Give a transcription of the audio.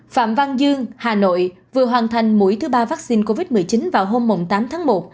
phạm văn dương hà nội vừa hoàn thành mũi thứ ba vaccine covid một mươi chín vào hôm tám tháng một